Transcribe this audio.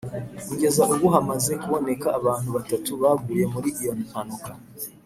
kugeza ubu hamaze kuboneka abantu batatu baguye muri iyo mpanuka